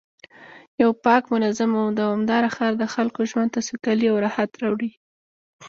یو پاک، منظم او دوامدار ښار د خلکو ژوند ته سوکالي او راحت راوړي